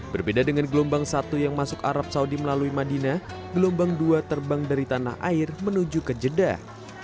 berbeda dengan gelombang satu yang masuk arab saudi melalui madinah gelombang dua terbang dari tanah air menuju ke jeddah